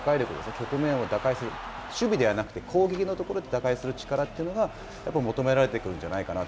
局面を打開する、守備ではなくて、攻撃のところで打開する力というのがやっぱり求められてくるんじゃないかなと。